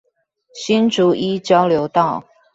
新竹一交流道